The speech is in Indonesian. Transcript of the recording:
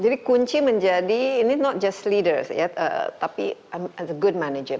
jadi kunci menjadi ini not just leaders tapi as a good manager